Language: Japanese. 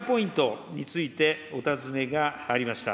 マイナポイントについてお尋ねがありました。